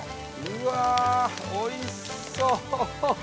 うわあおいしそう！